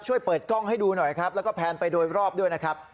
เปิดกล้องให้ดูหน่อยครับแล้วก็แพนไปโดยรอบด้วยนะครับ